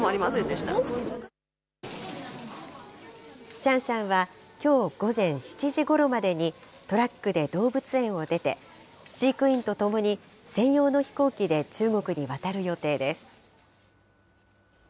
シャンシャンは、きょう午前７時ごろまでにトラックで動物園を出て、飼育員と共に専用の飛行機で中国に渡る予定です。